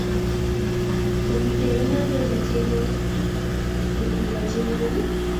kotitebeno tebutyenoto ntikochi muren?